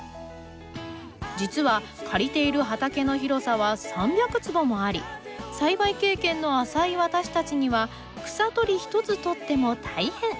実は借りている畑の広さは３００坪もあり栽培経験の浅い私たちには草取り一つとっても大変。